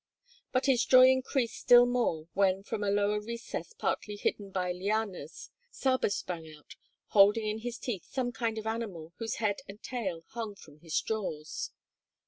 But his joy increased still more when from a lower recess partly hidden by lianas Saba sprang out, holding in his teeth some kind of animal whose head and tail hung from his jaws.